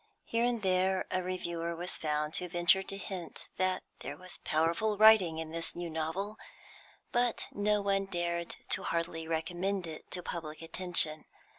Here and there a reviewer was found who ventured to hint that there was powerful writing in this new novel, but no one dared to heartily recommend it to public attention.